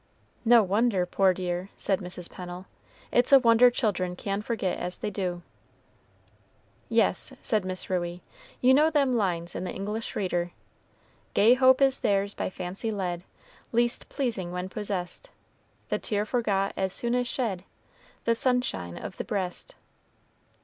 "No wonder, poor dear," said Mrs. Pennel; "it's a wonder children can forget as they do." "Yes," said Miss Ruey; "you know them lines in the 'English Reader,' 'Gay hope is theirs by fancy led, Least pleasing when possessed; The tear forgot as soon as shed, The sunshine of the breast.'